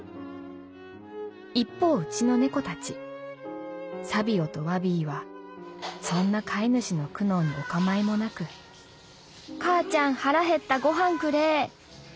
一方うちの猫たちサビオとワビイはそんな飼い主の苦悩にお構いもなく『かあちゃん腹減ったごはんくれー！』